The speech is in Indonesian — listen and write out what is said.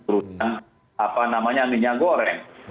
menurut saya apa namanya minyak goreng